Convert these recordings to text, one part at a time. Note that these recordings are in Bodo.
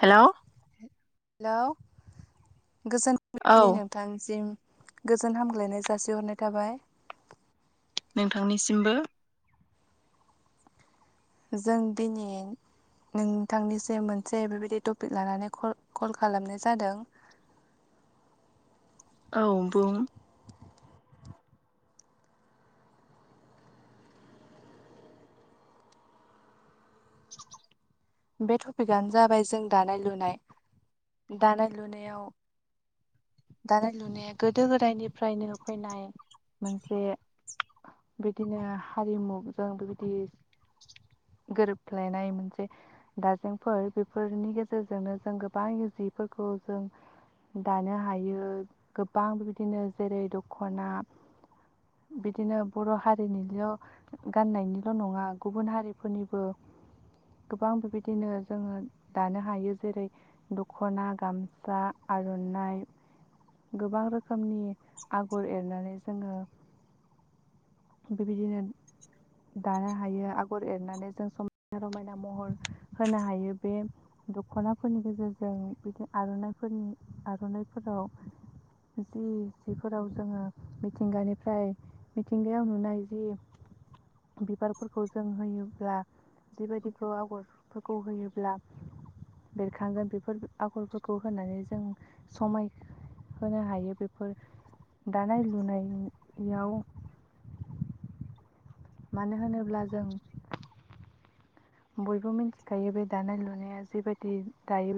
हेल' हेलौ गोजोन औ फुंबिलि नोंथांसिम गोजोन हामग्लायनाय जासिहरनाय थाबाय नोंथांनिसिमबो जों दिनै नोंथांनिसिम मोनसे बेबायदि टपिक लानानै कल खालामनाय जादों [inaudible] औ बुं [inaudible] बे टपिकआनो जाबाय जों दानाय लुनाय दानाय लुनायाव दानाय लुनाया गोदो गोदायनिफ्रायनो फैनाय मोनसे बिदिनो हारिमुजों बेबायदि गोरोबलायनाय मोनसे दाजेंफोर बेफोरनि गेजेरजोंनो जों गोबां जिफोरखौ जों दानो हायो गोबां बिबायदिनो जेरै दख'ना बिदिनो बर' हारिनिल' गाननायनिल' नङा गुबुन हारिफोरनिबो गोबां बेबायदि बिदिनो जोङो दानो हायो जेरै दख'ना गामसा आर'नाइ गोबां रोख रोखोमनि आगर एरनानै जोङो बेबायदिनो दानो हायो आगर एरनानै जों समायना रमायना महर होनो हायो बे दख'नाफोरनि गेजेरजों बिदि आर'नाइफोरनि आर'नाइफोरा औ जि जिफोराव जोङो मिथिंगानिफ्राय मिथिंगायाव नुनाय जि बिबारफोरखौ जों होयोब्ला जिबायदिफ्र आगर फोरखौ होयोब्ला बेरखांगोन बेफोर आगरफोरखौ होनानै जों समाय होनो हायो बेफोर दानाय लुनायाव मानो होनोब्ला जों बयबो मिथिखायो बे दानाय लुनाया जिेबायदि दायो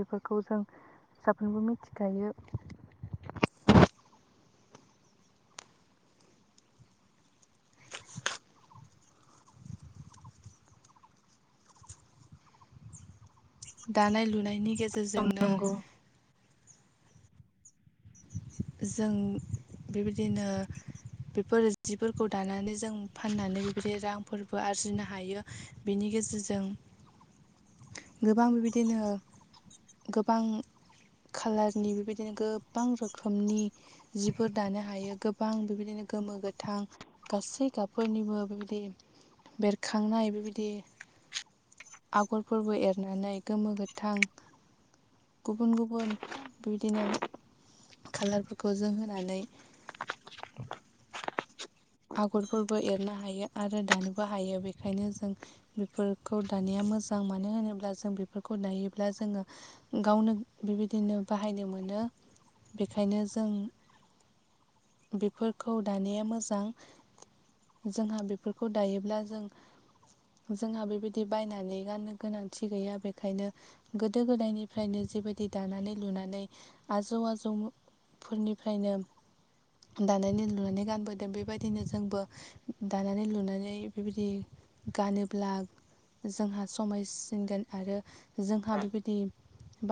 बेफोरखौ जों साफ्रोमबो मिथिखायो दानाय लुनायनि औ गेजेरजोंनो नंगौ जों बेबायदिनो बेफोर जिफोरखौ दानानै जों फाननानै बेबायदि रांफोरबो आरजिनो हायो बिनि नि गेजेरजों गोबां बेबायदिनो गोबां खाालारनि बेबायदिनो गोबां रोख रोखोमनि जिफोर दानो हायो गोबां बेबायदिनो गोमो गोथां गासै गाबफोरनि बे निबो बेबायदि बेरखांनाय बेबायदि आगरफोरबो एरनानै गोमो गोथां गुबुन गुबुन बिबदिनो कालारफोरखौ जों होनानै आगरफोरबो एरनो हायो आरो दानोबो हायो बेखायनो जों बेफोरखौ दानाया मोजां मानो होनोब्ला जों बेफोरखौ नायोब्ला जोङो गावनो बेबायदिनो बाहायनो मोनो मोनो बेखायनो जों बेफोरखौ दानाया मोजां जोंहा बेफोरखौ दायोब्ला जों जोंहा बेबायदि बायनानै गाननो गोनांथि गैया बेखायनो गोदो गोदायनिफ्रायनो जों जिबायदि दानानै लुनानै आजौ आजौफोरनिफ्रायनो दानायानानै लुनानै गानबोदों बेबाय बिदिनो जोंबो दानानै लुनानै बेबायदि गानोब्ला जोंहा समायसिनगोन आरो जोंहा बेबायदि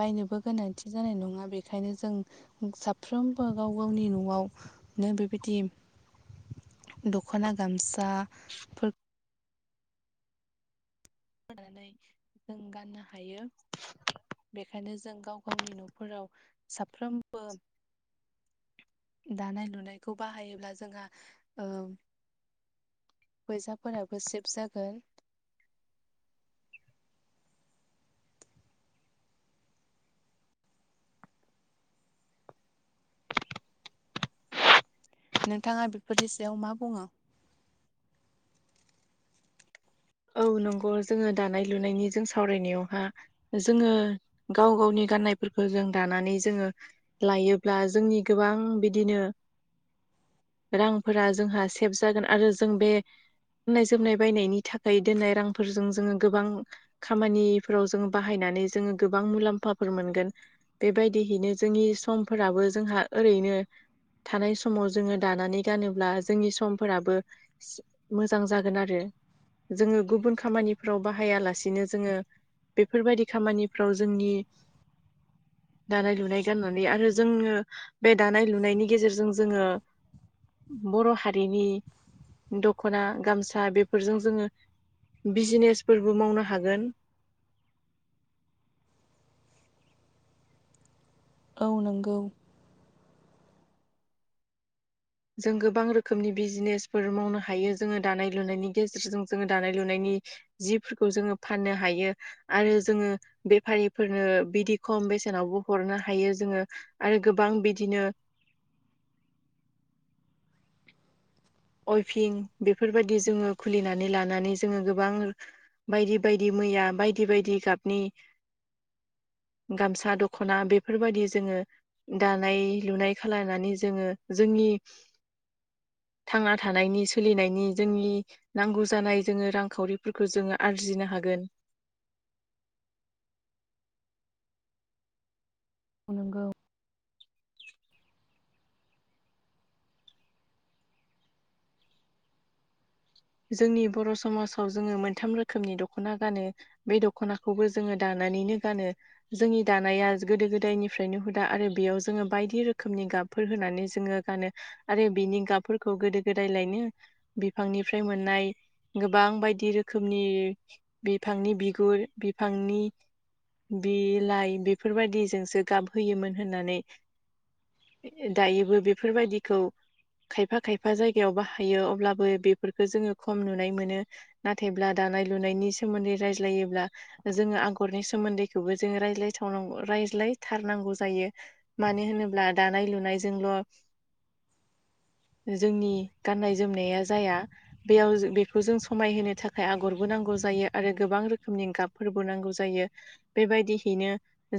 बायनोबो गोनांथि जानाय नङा बेखायनो जों साफ्रोमबो गाव गावनि न'आव नो बेबायदि दख'ना गामसाफोर दानानै जों गाननो हायो बेखायनो जों गाव गावनि न'फोराव साफ्रोमबो दानाय लुनायखौ बाहायोब्ला जोंहा ओ फैसाफोराबो सेब जागोन। नोंथाङा बेफोरनि सायाव मा बुङो? औ नंगौ जोङो दानाय लुनायनि जों सावरायनायावहा जोङो गाव गावनि गाननायफोरखौ जों दानानै जोङो लायोब्ला जोंनि गोबां बिदिनो [inaudible] रांफोरा जोंहा सेभ जागोन आरो जों बे गाननाय जोमनाय बायनायनि थाखाय दोननाय रांफोरजों जोङो गोबां खामानिफोराव जोङो बाहायनानै जोङो गोबां मुलाम्फा मोनगोन बेबायदिहैनो जोंनि समफोराबो जोंहा ओरैनो थानाय समाव जोङो दानानै गानोब्ला जोंनि समफोराबो मोजां जागोन आरो जोङो गुबुन खामानिफ्राव बाहायालासिनो जोङो बेफोरबायदि खामानिफ्राव जोंनि [inaudible] दानाय लुनाय गाननानै आरो जोङो बे दानाय लुनायनि गेजेरजों जोङो बर' हारिनि दख'ना गामसा बेफोरजों जोङो बिजनेसफोरबो मावनो हागोन। [inaudible] औ नोंगौ। जों गोबां रोखोमनि बिजनेसफोर मावनो हायो जोङो दानाय लुनायनि गेजेरजों जोङो दानाय लुनायनि जिफोरखौ जोङो फाननो हायो आरो जोङो बेफारिफोरनो बिदि खम बेसेनावबो हरनो हायो जोङो आरो गोबां बिदिनो [inaudible] अइफिं बेफोरबायदि जोङो खुलिनानै लानानै जोङो गोबां बायदि बायदि मैया बायदि बायदि गाबनि [inaudible] गामसा दख'ना बेफोरबायदि जोङो दानाय लुनाय खालामनानै जोङो जोंनि [inaudible] [inaudible] थांना थानायनि सोलिनायनि जोंनि नांगौ जानाय जोङो रांखावरिफोरखौ जोङो आरजिनो हायो। हागोन। [inaudible] नोंगौ। जोंनि बर' समाजाव जोङो मोनथाम रोखोमनि दख'ना गानो बे दख'नाखौबो जोङो दानो दानानै गानो जोंनि दानाया गोदो गोदायनिफ्रायनो हुदा आरो बेयाव जोङो बायदि रोखोमनि गाब होनानै जोङो गानो आरो बिनि गाबफोरखौ गोदो गोदाय लायनो बिफांनि फ्राय मोननाय गोबां बायदि रोखोमनि बिफांनि बिगुर बिफांनि बिलाइ बेफोरबायदिजोंसो गाब होयोमोन होननानै दायोबो बेफोरबायदिखौ खायफा खायफा जायगायाव बाहायो अब्लाबो बे फेबोरखौ जोङो खम नुनाय मोनो नाथायब्ला दानाय लुनायनि सोमोन्दै रायज्लायोब्ला जोङो। आगरनि सोमोन्दैखौबो जोङो रायज्लायथ' रायज्लायथारनांगौ जायो मानो होनोब्ला। दानाय लुनायजोंल' [inaudible] जोंनि गाननाय जोमनाया जाया बेयाव बेखौ जों समायहोनो थाखाय आगरबो नांगौ जायो आरो गोबां रोखोमनि गाबफोरबो नांगौ। जायो बेबायदिहैनो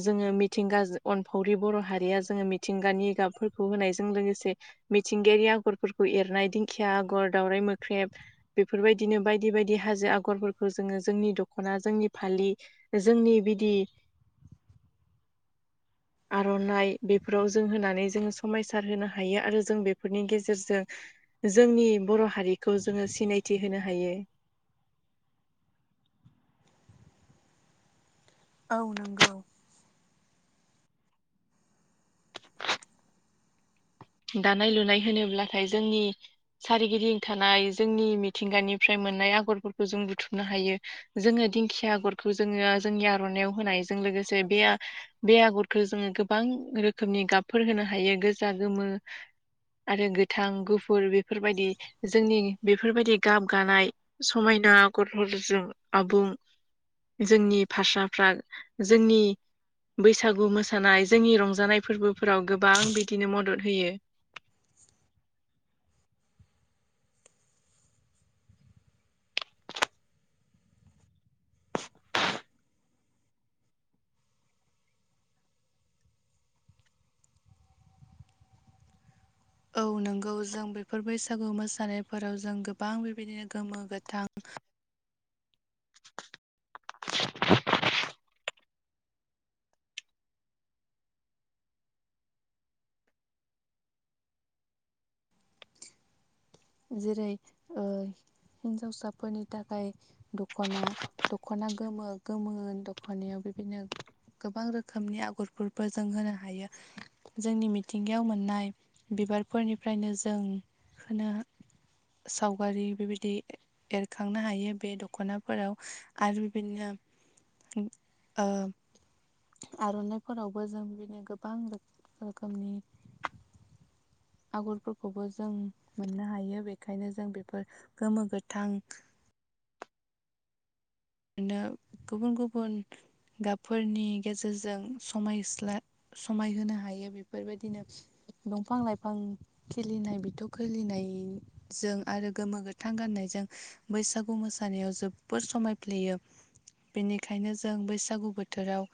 जोङो मिथिंगा अनफावरि बर' हारिया जोङो मिथिंगा नि गाबफोरखौ होनायजों लोगोसे मिथिंगायारि आगरफोरखौ एरनाय दिंखिया आगर, दावराय मो ख्रेब बेफोरबायदिनो बायदि बायदि हाजो आगरफोरखौ जोङो जोंनि दख'ना जोंनि फालि जोंनि बिदि [inaudible] आर'नाइ बेफोराव जों होनानै जोङो समायसार होनो हायो आरो जों बेफोरनि गेजेरजों जोंनि बर' हारि खौ जोङो सिनायथि होनो हायो। औ नंगौ। दानाय लुनाय होनोब्लाथाय जोंनि सारिगिदिं थानाय जोंनि मिथिंगानिफ्राय मोननाय आगरफोरखौ जों बथुमनो हायो जोङो दिखिंया आगरखौ जोंनि आरनायाव होनाय लोगोसे बे बे आगरखौ जोङो गोबां रोखोमनि गाबफोर होनो हायो गोजा, गोमो [inaudible] आरो गोथां गुफुर बेफोरबायदि जोंनि बेफोरबायदि गाब गानाय समायना आगरफोरजों आबुं जोंनि भासाफ्रा जोंनि बैसागु मोसानाय जोंनि रंजानाय फोरबोफोराव गोबां बिदिनो मदद होयो औ नोंगौ जों बैफोर बैसागु मोसानायफोराव जों गोबां बेबायदिनो गोमो, गोथां जेरै ओ हिनजावसाफोरनि थाखाय दख'ना दख'ना गोमो गोमो दख'नायाव बिदिनो गोबां रोखोमनि आगरफोरबो जों होनो हायो जोंनि मिथिंगायाव मोननाय बे बिबारफोरनिफ्रायनो जों खोनो सावगारि बेबायदि एरखांनो हायो बे दख'नाफोराव आरो बेबायदिनो ओ आर'नाइफोरावबो जों बिदिनो गोबां रोखोमनि आगरफोरखौबो जों नुनो हायो बेनिखायनो जों बेफोर गोमो गोथां बिनो गुबुन गुबुन गाबफोरनि गेजेरजों समायस्ला समायहोनो हायो बेफोरबायदिनो दंफां लाइफां खिलिनाय बिथ' खिलिनायजों आरो गोमो गोथां गाननाय जों बैसागु मोसानायाव जोबबोद समाय फ्लेयो बेनिखायनो जों बैसागु बोथोराव